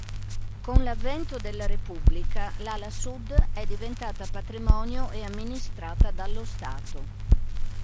Con l'avvento della Repubblica, l'ala sud è diventata patrimonio e amministrata dallo Stato.